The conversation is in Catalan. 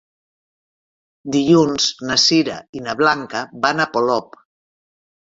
Dilluns na Sira i na Blanca van a Polop.